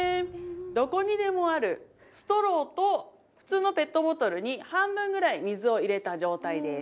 どこにでもあるストローと普通のペットボトルに半分ぐらい水を入れた状態です。